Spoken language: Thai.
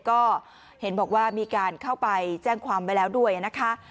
ก็เห็นบอกว่ามีการเข้าไปแจ้งความไว้แล้วด้วยนะคะ